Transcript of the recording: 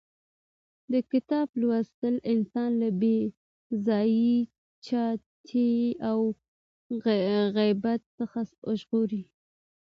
د کتاب لوستل انسان له بې ځایه چتیاو او غیبت څخه ژغوري.